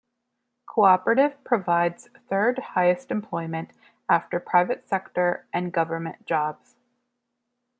Cooperative provides third highest employment after private sector and government jobs.